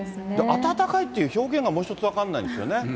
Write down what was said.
暖かいって表現がもう一つ分かんないんですよね。